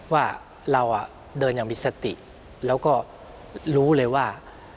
ว่าเราเดินอย่างมีสติแล้วก็รู้เลยว่า